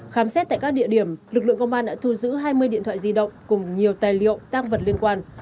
khám xét tại các địa điểm lực lượng công an đã thu giữ hai mươi điện thoại di động cùng nhiều tài liệu tăng vật liên quan